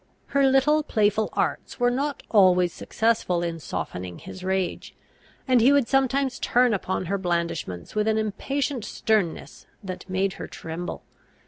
Her little playful arts were not always successful in softening his rage; and he would sometimes turn upon her blandishments with an impatient sternness that made her tremble.